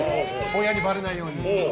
親にばれないように。